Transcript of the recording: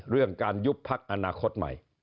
เรื่องการยุบพักอนาคตใหม่